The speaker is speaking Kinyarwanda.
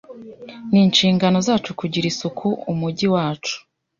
Ni inshingano zacu kugira isuku umujyi wacu.